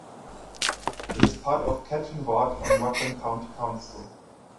It is part of Ketton ward on Rutland County Council.